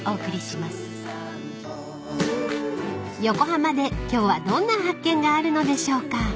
［横浜で今日はどんな発見があるのでしょうか］